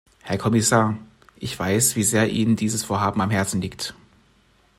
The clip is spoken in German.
Herr Kommissar, ich weiß, wie sehr Ihnen dieses Vorhaben am Herzen liegt.